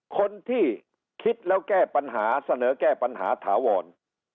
คนที่คิดแล้วแก้ปัญหาเสนอแก้ปัญหาถาวร